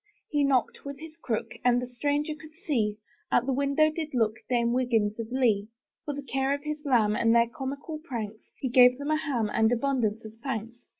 He knocked with his crook. And the stranger to see, Out the window did look Dame Wiggins of Lee. For the care of his lamb. And their comical pranks, He gave them a ham And abundance of thanks.